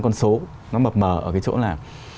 con số nó mập mờ ở cái chỗ là